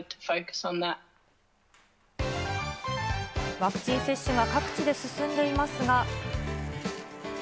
ワクチン接種が各地で進んでいますが。